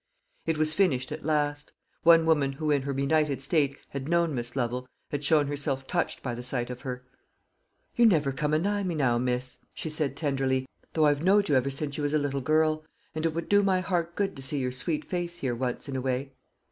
It was finished at last. One woman, who in her benighted state had known Miss Lovel, had shown herself touched by the sight of her. "You never come anigh me now, miss," she said tenderly, "though I've knowed you ever since you was a little girl; and it would do my heart good to see your sweet face here once in a way."